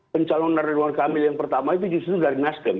pencalonan ridwan kamil yang pertama itu justru dari nasdem